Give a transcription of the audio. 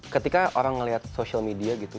ketika orang melihat social media gitu